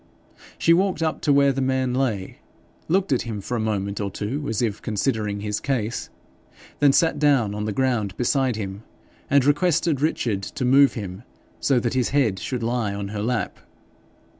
She walked up to where the man lay, looked at him for a moment or two as if considering his case, then sat down on the ground beside him, and requested Richard to move him so that his head should lie on her lap.